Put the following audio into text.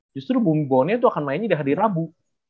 justru bumi bawoneo itu akan mainnya di hari rabu